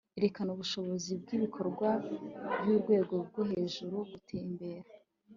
erekana ubushobozi bwibikorwa byurwego rwohejuru, gutembera